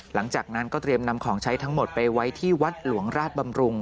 หลังจากนั้นก็เตรียมนำของใช้ทั้งหมดไปไว้ที่วัดหลวงราชบำรุง